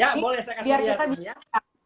ya boleh saya kasih lihat